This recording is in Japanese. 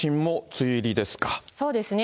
そうですね。